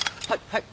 はい。